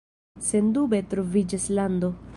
Sendube troviĝas lando.“